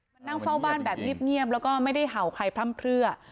มานั่งเฝ้าบ้านแบบเงียบแล้วก็ไม่ได้เห่าใครพร่ำเพลือ